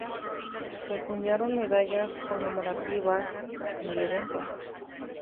Se acuñaron medallas conmemorativas con el evento.